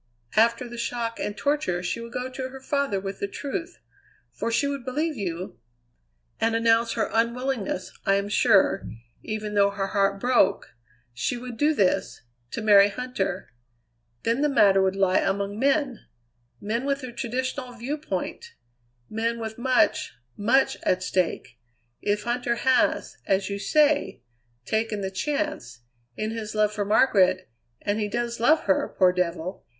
After the shock and torture she would go to her father with the truth for she would believe you and announce her unwillingness I am sure, even though her heart broke, she would do this to marry Huntter. Then the matter would lie among men; men with the traditional viewpoint; men with much, much at stake. If Huntter has, as you say, taken the chance, in his love for Margaret and he does love her, poor devil!